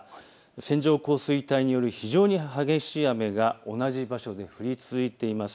線状降水帯による非常に激しい雨が同じ場所で降り続いています。